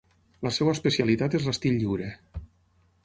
La seva especialitat és l'estil lliure.